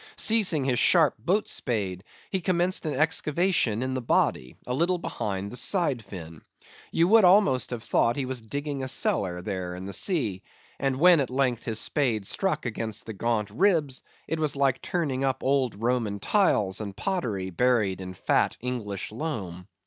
Seizing his sharp boat spade, he commenced an excavation in the body, a little behind the side fin. You would almost have thought he was digging a cellar there in the sea; and when at length his spade struck against the gaunt ribs, it was like turning up old Roman tiles and pottery buried in fat English loam.